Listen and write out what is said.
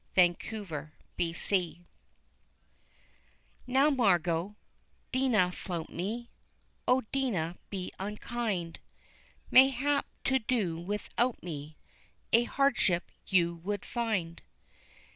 Margot Now Margot, dinna flout me, O, dinna be unkind! Mayhap to do without me, A hardship you would find.